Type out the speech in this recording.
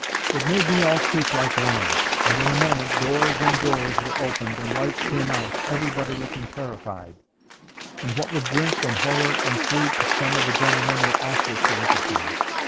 It made me all creep like worms. And in a moment doors and doors were opened, and lights came out, everybody looking terrified; and what with drink, and horror, and sleep, some of the gentlemen were awful to look upon.